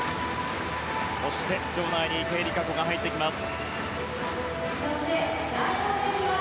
そして場内に池江璃花子が入ってきます。